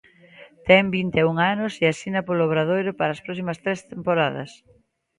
Ten vinte e un anos e asina polo Obradoiro para as próximas tres temporadas.